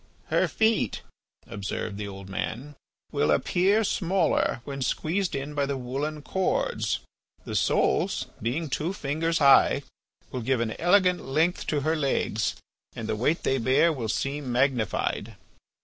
"Her feet," observed the old man, "will appear smaller when squeezed in by the woollen cords. The soles, being two fingers high, will give an elegant length to her legs and the weight they bear will seem magnified."